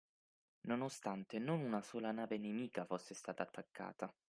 Nonostante non una sola nave nemica fosse stata attaccata